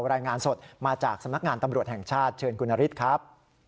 รายงานสดมาจากสำนักงานตำรวจแห่งชาติเชิญคุณนฤทธิ์ครับ